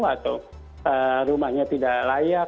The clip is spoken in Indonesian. atau rumahnya tidak layak